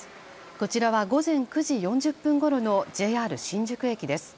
こちらは午前９時４０分ごろのＪＲ新宿駅です。